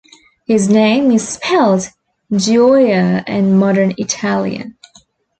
His name is spelled Gioia in modern Italian.